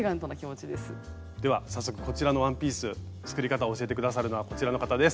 では早速こちらのワンピース作り方を教えて下さるのはこちらの方です。